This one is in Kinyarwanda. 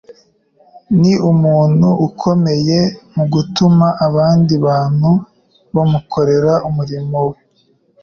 Ni umuntu ukomeye mu gutuma abandi bantu bamukorera umurimo we